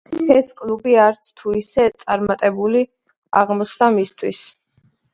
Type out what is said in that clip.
ეს კლუბი არც თუ ისე წარმატებული აღმოჩნდა მისთვის.